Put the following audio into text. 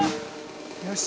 よし。